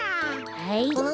はい。